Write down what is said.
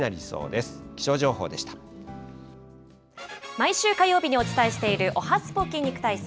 毎週火曜日にお伝えしている、おはＳＰＯ筋肉体操。